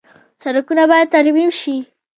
سړکونه باید ترمیم شي